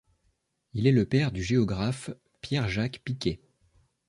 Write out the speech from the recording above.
Il est le père du géographe Pierre-Jacques Picquet.